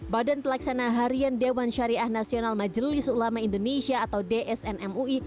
badan pelaksana harian dewan syariah nasional majelis ulama indonesia atau dsn mui